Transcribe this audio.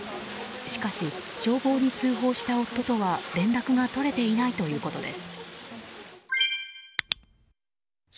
しかし、消防に通報した夫とは連絡が取れていないということです。